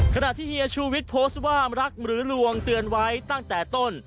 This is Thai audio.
ขณะที่เฮียชูวิทย์โพสต์ว่ารักหรือลวงเตือนไว้ตั้งแต่ต้น